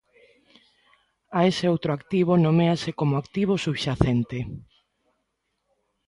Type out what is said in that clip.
A ese outro activo noméase como activo subxacente.